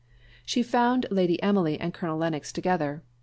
She found Lady Emily and Colonel Lennox together.